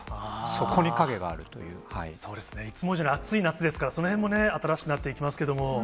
そうですね、いつも以上に暑い夏ですから、そのへんも新しくなっていきますけども。